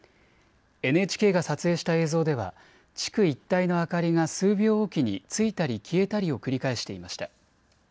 ＮＨＫが撮影した映像では地区一帯の明かりが数秒置きについたり消えたりを繰り返していました。